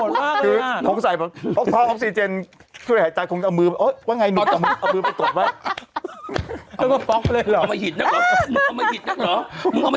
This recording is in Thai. มึงก็มาหิดนะครับมึงก็มาหิดนะน้อง